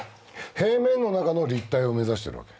平面の中の立体を目指しとるわけ。